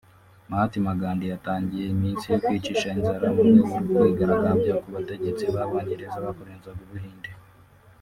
Mahatma Gandhi yatangiye iminsi yo kwiyicisha inzara mu rwego rwo kwigaragambya ku butegetsi b’abongereza bakoronizaga u Buhinde